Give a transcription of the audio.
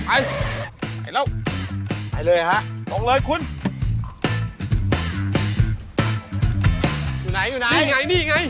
นี่ไง